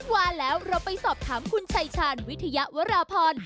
ว่าแล้วเราไปสอบถามคุณชายชาญวิทยาวราพร